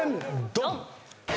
ドン！